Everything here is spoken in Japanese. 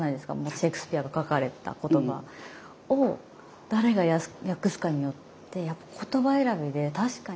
シェイクスピアが書かれた言葉を誰が訳すかによって言葉選びで確かに。